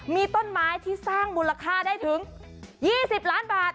มีต้นไม้ที่สร้างมูลค่าได้ถึง๒๐ล้านบาท